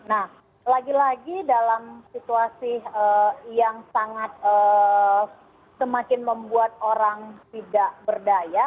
nah lagi lagi dalam situasi yang sangat semakin membuat orang tidak berdaya